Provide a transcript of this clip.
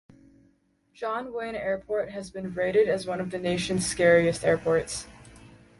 John Wayne Airport has been rated as one of the nation's scariest airports.